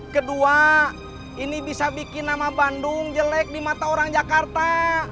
kedua ini bisa bikin nama bandung jelek di mata orang jakarta